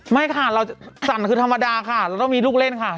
ไม่ค่ะเราสั่นคือธรรมดาค่ะเราต้องมีลูกเล่นค่ะ